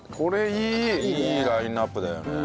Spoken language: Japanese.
いいラインアップだよね。